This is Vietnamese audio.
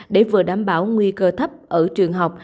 để vừa đảm bảo nguy cơ thấp ở trường học